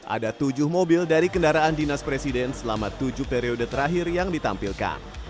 ada tujuh mobil dari kendaraan dinas presiden selama tujuh periode terakhir yang ditampilkan